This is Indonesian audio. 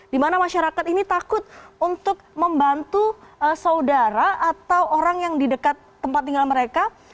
di mana masyarakat ini takut untuk membantu saudara atau orang yang di dekat tempat tinggal mereka